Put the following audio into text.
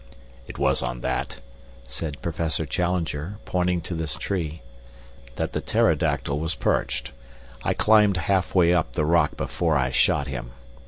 "It was on that," said Professor Challenger, pointing to this tree, "that the pterodactyl was perched. I climbed half way up the rock before I shot him.